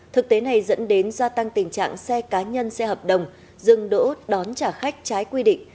thực tế này dẫn đến gia tăng tình trạng xe cá nhân xe hợp đồng dừng đỗ đón trả khách trái quy định